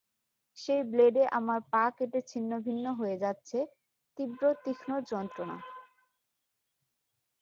সেই ব্লেডে আমার পা কেটে ছিন্নভিন্ন হয়ে যাচ্ছে-তীব্র তীক্ষ্ণ যন্ত্রণা।